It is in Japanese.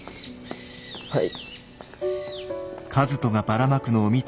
はい。